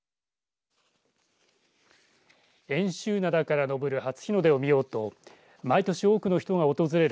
遠州灘から昇る初日の出を見ようと毎年、多くの人が訪れる